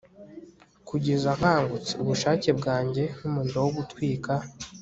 Kugeza nkangutse ubushake bwanjye nkumuriro wo gutwika